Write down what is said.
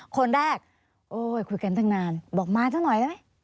คนแรกคุยกันตั้งนานบอกมาเท่าหน่อยได้ไหม